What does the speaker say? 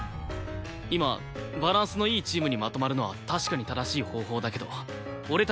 今バランスのいいチームにまとまるのは確かに正しい方法だけど俺たちのやり方じゃない。